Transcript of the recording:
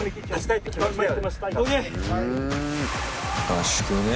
合宿ね。